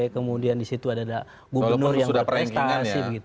kemudian disitu ada gubernur yang berprestasi